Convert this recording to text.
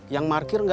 yang markir gak ada